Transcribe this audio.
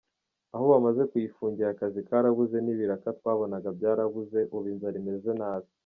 Aho bamaze kuyifungira akazi karabuze n’ibiraka twabonaga byarabuze, ubu inzara imeze nabi.